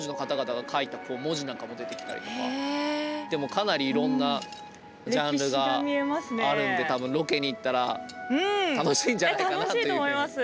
かなりいろんなジャンルがあるんで多分ロケに行ったら楽しいんじゃないかなというふうに思います。